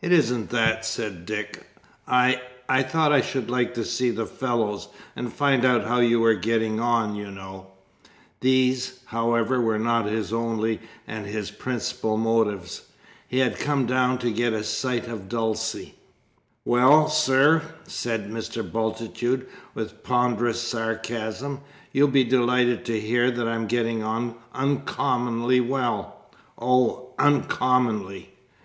"It isn't that," said Dick. "I I thought I should like to see the fellows, and find out how you were getting on, you know." These, however, were not his only and his principal motives. He had come down to get a sight of Dulcie. "Well, sir," said Mr. Bultitude, with ponderous sarcasm, "you'll be delighted to hear that I'm getting on uncommonly well oh, uncommonly!